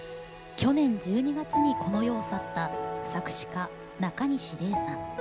去年１２月にこの世を去った作詞家・なかにし礼さん。